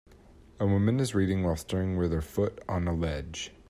A woman is reading while stirring with her foot on a ledge.